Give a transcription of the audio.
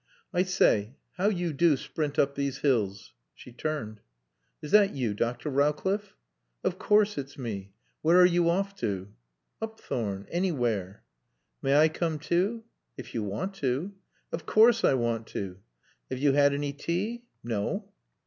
"I say, how you do sprint up these hills!" She turned. "Is that you, Dr. Rowcliffe?" "Of course it's me. Where are you off to?" "Upthorne. Anywhere." "May I come too?" "If you want to." "Of course I want to." "Have you had any tea?" "No."